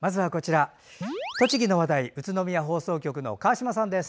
栃木の話題、宇都宮放送局の川島さんです。